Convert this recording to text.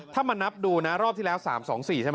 ถ้ามานับดูนะรอบที่แล้ว๓๒๔ใช่ไหม